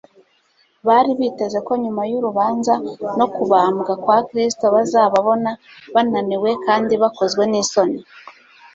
Bari biteze ko nyuma y'urubanza no kubambwa kwa Kristo bazababona bananiwe kandi bakozwe n'isoni.